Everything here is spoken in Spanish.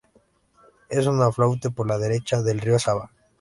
Es un afluente por la derecha del río Sava.